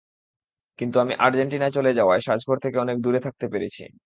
কিন্তু আমি আর্জেন্টিনায় চলে যাওয়ায় সাজঘর থেকে অনেক দূরে থাকতে পেরেছি।